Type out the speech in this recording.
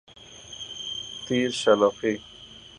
تیر شلاقی